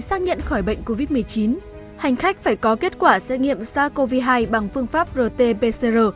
xác nhận khỏi bệnh covid một mươi chín hành khách phải có kết quả xét nghiệm sars cov hai bằng phương pháp rt pcr